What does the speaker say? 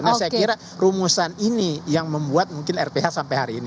nah saya kira rumusan ini yang membuat mungkin rph sampai hari ini